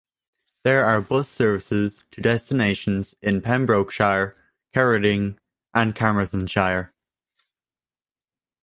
There are bus services to destinations in Pembrokeshire, Ceredigion and Carmarthenshire.